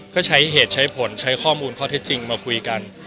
ก็ใช้เหตุใช้ผลใช้ข้อมูลข้อเท็จจริงมาคุยกัน